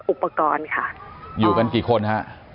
อุปกรณ์ค่ะ